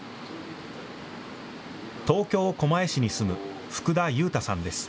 東京・狛江市に住む福田悠太さんです。